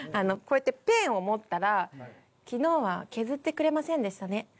こうやってペンを持ったら「昨日は削ってくれませんでしたね。